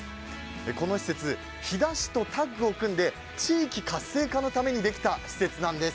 この施設、飛弾市とタッグを組んで地域活性化のためにできた施設です。